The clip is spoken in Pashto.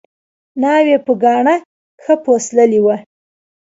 ناوې په ګاڼه ښه پسوللې وه